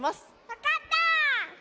わかった！